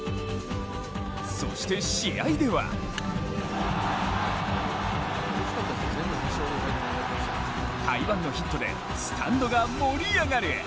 そして試合では台湾のヒットでスタンドが盛り上がる。